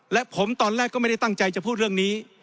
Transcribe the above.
และผมตอนแรกก็ไม่ได้ตั้งใจจะพูดเรื่องนี้